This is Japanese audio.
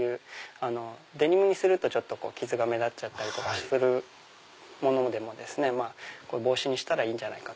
デニムにすると傷が目立っちゃったりするものでも帽子にしたらいいんじゃないか。